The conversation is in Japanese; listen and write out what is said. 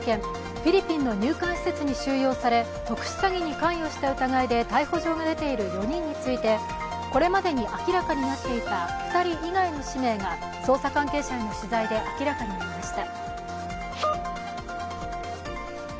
フィリピンの入管施設に収容され特殊詐欺に関与された疑いで逮捕状が出ている４人についてこれまで明らかになっていた２人以外の氏名が捜査関係者への取材で明らかになりました。